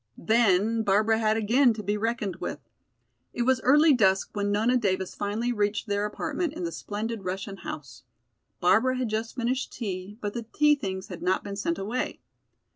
Then Barbara had again to be reckoned with. It was early dusk when Nona Davis finally reached their apartment in the splendid Russian house. Barbara had just finished tea, but the tea things had not been sent away.